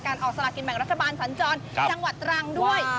ออกสลากินแบ่งรัฐบาลสัญจรจังหวัดตรังด้วย